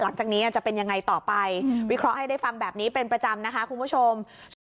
หลังจากนี้จะเป็นยังไงต่อไปวิเคราะห์ให้ได้ฟังแบบนี้เป็นประจำนะคะคุณผู้ชม